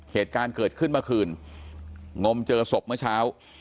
เหตุการณ์เกิดขึ้นเมื่อคืนงมเจอศพเมื่อเช้า